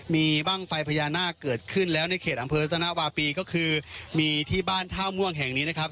มีบ้างไฟพญานาคเกิดขึ้นแล้วในเขตอำเภอรัตนาวาปีก็คือมีที่บ้านท่าม่วงแห่งนี้นะครับ